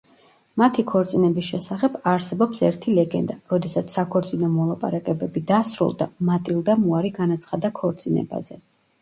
მათი ქორწინების შესახებ არსებობს ერთი ლეგენდა: როდესაც საქორწინო მოლაპარაკებები დასრულდა, მატილდამ უარი განაცხადა ქორწინებაზე.